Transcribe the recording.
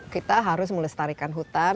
kita harus melestarikan hutan